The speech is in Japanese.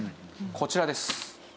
こちらです。